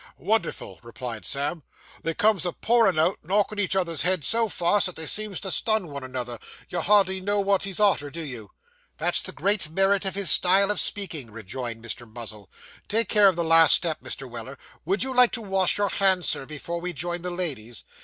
'Wonderful,' replied Sam; 'they comes a pouring out, knocking each other's heads so fast, that they seems to stun one another; you hardly know what he's arter, do you?' That's the great merit of his style of speaking,' rejoined Mr. Muzzle. 'Take care of the last step, Mr. Weller. Would you like to wash your hands, sir, before we join the ladies?